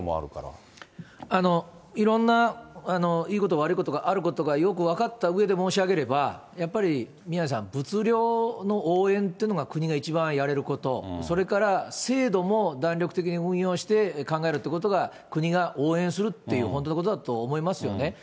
けれいろんないいこと、悪いことがあることがよく分かったうえで申し上げれば、やっぱり、宮根さん、物量の応援っていうのが国が一番やれること、それから、制度も弾力的に運用して考えるということが、国が応援するっていう本当のことだと思いますよね。